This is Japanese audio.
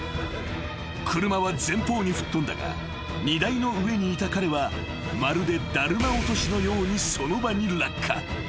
［車は前方に吹っ飛んだが荷台の上にいた彼はまるでだるま落としのように］